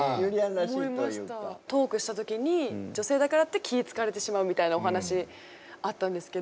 トークした時に女性だからって気ぃ遣われてしまうみたいなお話あったんですけど。